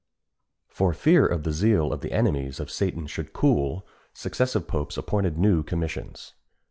For fear the zeal of the enemies of Satan should cool, successive popes appointed new commissions.